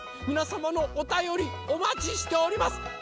みなさまのおたよりおまちしております！